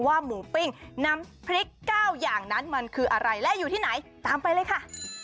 หมูปิ้งน้ำพริก๙อย่างนั้นมันคืออะไรและอยู่ที่ไหนตามไปเลยค่ะ